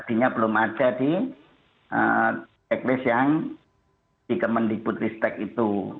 tadinya belum ada di checklist yang dikemeniputi stek itu